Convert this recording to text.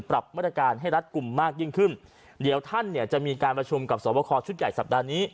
ปรับมาตรการให้รัฐกลุ่มมากยิ่งขึ้นเดี๋ยวท่านเนี่ยจะมีการประชุมกับสวบคอชุดใหญ่สัปดาห์นี้